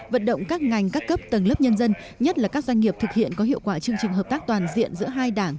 vận động các ngành các cấp tầng lớp nhân dân nhất là các doanh nghiệp thực hiện có hiệu quả chương trình hợp tác toàn diện giữa hai đảng